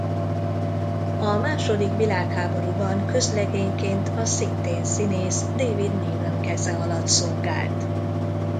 A második világháborúban közlegényként a szintén színész David Niven keze alatt szolgált.